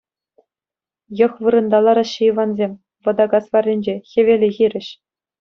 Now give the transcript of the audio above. йӑх вырӑнта лараҫҫӗ Ивансем, Вӑта кас варринче, хӗвеле хирӗҫ.